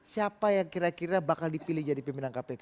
siapa yang kira kira bakal dipilih jadi pimpinan kpk